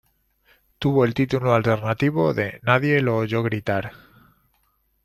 Tuvo el título alternativo de Nadie lo oyó gritar.